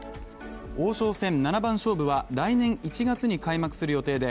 王将戦７番勝負は来年１月に開幕する予定で、